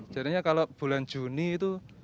jadinya kalau bulan juni itu